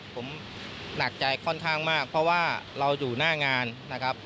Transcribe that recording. ผมหนักใจค่อนข้างมากเพราะว่าเราอยู่หน้างานนะครับ